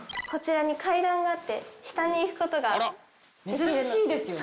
珍しいですよね。